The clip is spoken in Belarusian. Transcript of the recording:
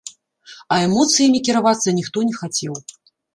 А эмоцыямі кіравацца ніхто не хацеў.